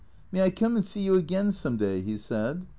"May I come and see you again some day?" he said.